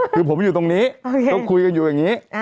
คือผมอยู่ตรงนี้ก็คุยกันอยู่อย่างนี้